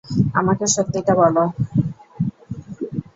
আমাকে সত্যিটা বলো।